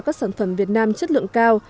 các sản phẩm việt nam chất lượng cao